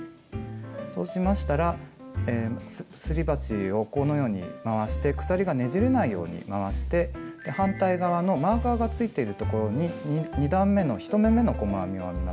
そうしましたらすり鉢をこのように回して鎖がねじれないように回して反対側のマーカーがついているところに２段めの１目めの細編みを編みます。